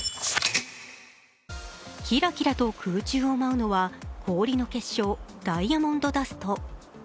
キラキラと空中を舞うのは氷の結晶、ダイヤモンドダスト。